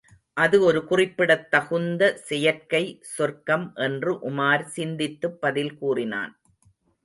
அது ஒரு குறிப்பிடத் தகுந்த செயற்கை சொர்க்கம் என்று உமார் சிந்தித்துப் பதில் கூறினான்.